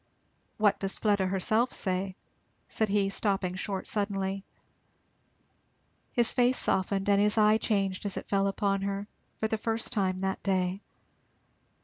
"What does Fleda herself say?" said he stopping short suddenly. His face softened and his eye changed as it fell upon her, for the first time that day.